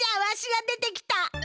わしが出てきた！